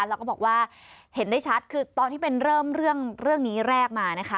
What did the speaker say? แล้วก็บอกว่าเห็นได้ชัดคือตอนที่เป็นเริ่มเรื่องนี้แรกมานะคะ